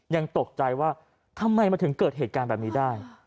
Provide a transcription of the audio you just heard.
ยังตกใจว่าทำไมมันถึงเกิดเหตุการณ์แบบนี้ได้